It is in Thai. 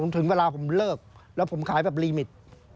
ถึงเวลาผมเลิกแล้วผมขายแบบรีมิต